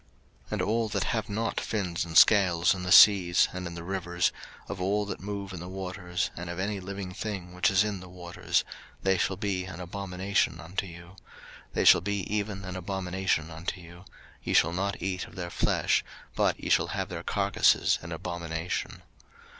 03:011:010 And all that have not fins and scales in the seas, and in the rivers, of all that move in the waters, and of any living thing which is in the waters, they shall be an abomination unto you: 03:011:011 They shall be even an abomination unto you; ye shall not eat of their flesh, but ye shall have their carcases in abomination.